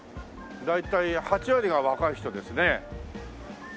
大体８割が若い人ですね。